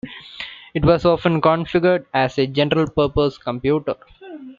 It was often configured as a general-purpose computer.